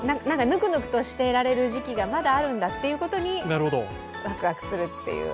ぬくぬくとしていられる時期がまだあるんだということにわくわくするっていう。